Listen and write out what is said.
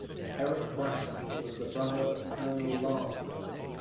Erik Bratt was the brother of Colonel Lars Bratt.